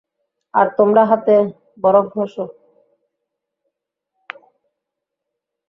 আর, তোমরা, হাতে বরফ ঘষো।